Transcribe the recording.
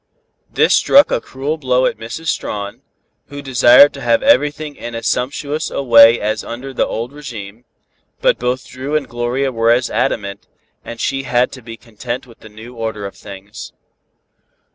This struck a cruel blow at Mrs. Strawn, who desired to have everything in as sumptuous a way as under the old régime, but both Dru and Gloria were as adamant, and she had to be content with the new order of things.